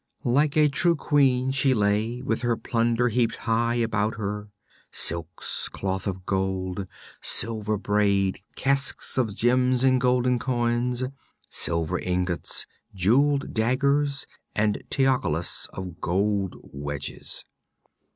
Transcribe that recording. Like a true queen she lay, with her plunder heaped high about her: silks, cloth of gold, silver braid, casks of gems and golden coins, silver ingots, jeweled daggers and teocallis of gold wedges.